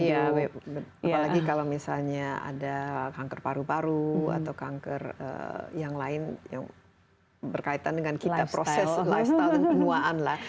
iya apalagi kalau misalnya ada kanker paru paru atau kanker yang lain yang berkaitan dengan kita proses lifestyle dan penuaan lah